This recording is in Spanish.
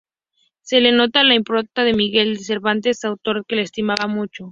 Se le nota la impronta de Miguel de Cervantes, autor al que estimaba mucho.